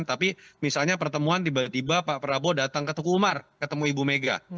tapi misalnya pertemuan tiba tiba pak prabowo datang ke tuku umar ketemu ibu mega